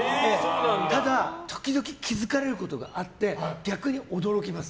ただ時々気づかれることがあって逆に驚きます。